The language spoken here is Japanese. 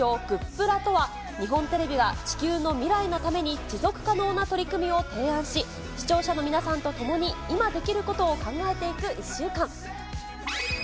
ウィーク、通称、グップラとは、日本テレビが地球の未来のために持続可能な取り組みを提案し、視聴者の皆さんとともに、今できることを考えていく１週間。